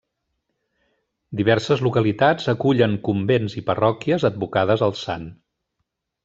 Diverses localitats acullen convents i parròquies advocades al sant.